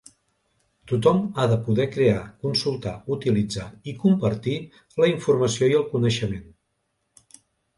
Tothom ha de poder crear, consultar, utilitzar i compartir la informació i el coneixement.